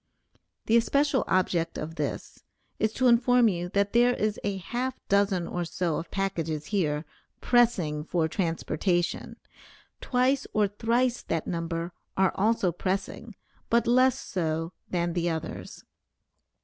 The especial object of this, is to inform you that there is a half dozen or so of packages here, pressing for transportation; twice or thrice that number are also pressing, but less so than the others.